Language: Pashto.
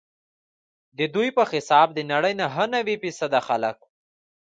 ددوی په حساب د نړۍ نهه نوي فیصده خلک.